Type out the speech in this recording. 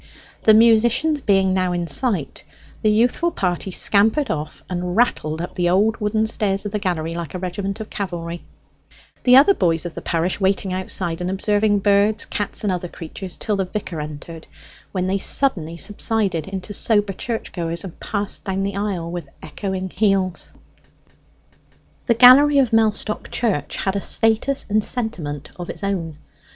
The musicians being now in sight, the youthful party scampered off and rattled up the old wooden stairs of the gallery like a regiment of cavalry; the other boys of the parish waiting outside and observing birds, cats, and other creatures till the vicar entered, when they suddenly subsided into sober church goers, and passed down the aisle with echoing heels. The gallery of Mellstock Church had a status and sentiment of its own.